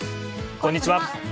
こんにちは。